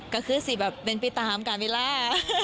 ก็คือสิเป็นปีตามการวีล่า